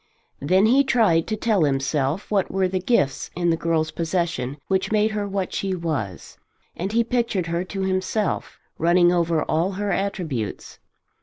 Then he tried to tell himself what were the gifts in the girl's possession which made her what she was, and he pictured her to himself, running over all her attributes.